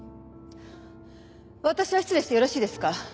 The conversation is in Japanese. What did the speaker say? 私は失礼してよろしいですか？